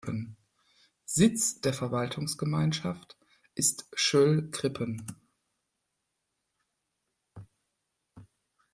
Sitz der Verwaltungsgemeinschaft ist Schöllkrippen.